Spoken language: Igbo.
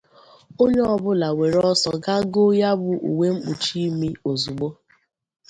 onye ọbụla were ọsọ ga goo ya bụ uwe mkpuchi imi ozigbo